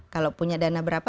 kalau punya dana berapa